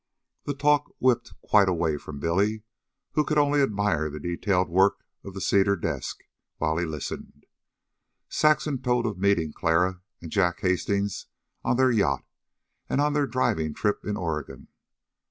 The talk whipped quite away from Billy, who could only admire the detailed work of the cedar desk while he listened. Saxon told of meeting Clara and Jack Hastings on their yacht and on their driving trip in Oregon.